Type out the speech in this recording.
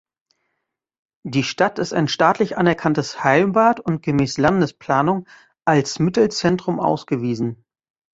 Die Stadt ist ein staatlich anerkanntes Heilbad und gemäß Landesplanung als Mittelzentrum ausgewiesen.